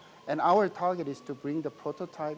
dan target kami adalah untuk membawa prototipe